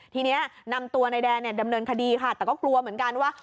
ทีนี้นำตัวนายแดนดำเนินคดีค่ะแต่ก็กลัวเหมือนกันว่า